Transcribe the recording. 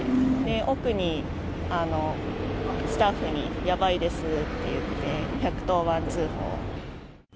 奥に、スタッフにやばいですって言って、１１０番通報。